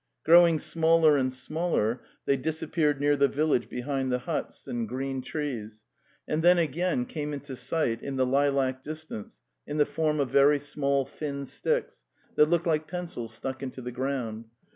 Growing smaller and smaller they disap peared near the village behind the huts and green 216 The Tales of Chekhov trees, and then again came into sight in the lilac distance in the form of very small thin sticks that looked like pencils stuck into the ground.